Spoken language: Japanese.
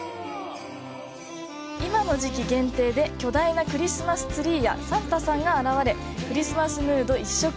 今の時期限定で巨大なクリスマスツリーやサンタさんが現れクリスマスムード一色！